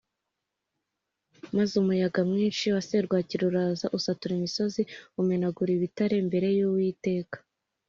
maze umuyaga mwinshi wa serwakira uraza usatura imisozi umenagurira ibitare imbere y’Uwiteka